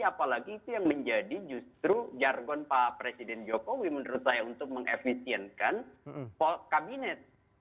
apalagi itu yang menjadi justru jargon pak presiden jokowi menurut saya untuk mengefisienkan kabinet